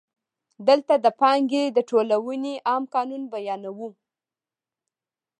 دلته د پانګې د ټولونې عام قانون بیانوو